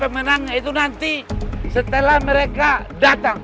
pemenang itu nanti setelah mereka datang